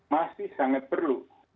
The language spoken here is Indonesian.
masih sangat perlu